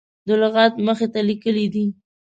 د لغت مخې ته لیکلي دي.